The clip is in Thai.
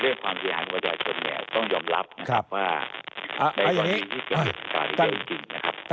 ด้วยความสินค้าของประโยชน์คนแม่ต้องยอมรับว่าใดกว่านี้อีกก็เป็นประโยชน์จริงนะครับ